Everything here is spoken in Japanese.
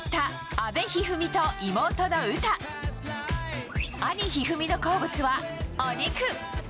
兄・一二三の好物はお肉。